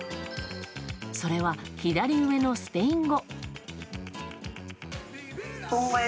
それは、左上のスペイン語。